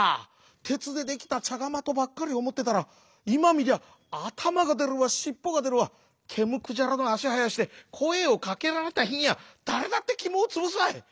てつでできたちゃがまとばっかりおもってたらいまみりゃあたまがでるわしっぽがでるわけむくじゃらのあしはやしてこえをかけられたひにゃだれだってきもをつぶすわい。